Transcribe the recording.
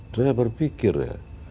saya berpikir ya